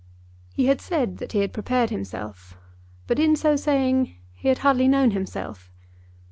He had said that he had prepared himself, but, in so saying, he had hardly known himself.